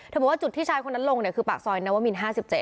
เธอบอกว่าจุดที่ชายคนนั้นลงเนี่ยคือปากซอยนัวว่ามิล๕๗